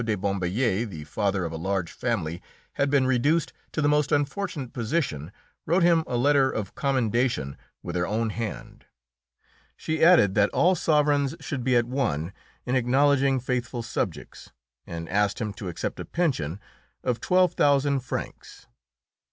de Bombelles, the father of a large family, had been reduced to the most unfortunate position, wrote him a letter of commendation with her own hand. She added that all sovereigns should be at one in acknowledging faithful subjects, and asked him to accept a pension of twelve thousand francs.